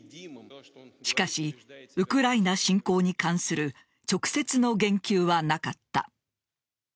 しかし、ウクライナ侵攻に関する直接の言及はなかった。